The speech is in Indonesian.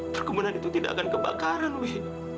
perkebunan itu tidak akan kebakaran wih